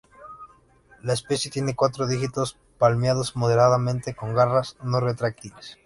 La especie tiene cuatro dígitos palmeados moderadamente con garras no retráctiles.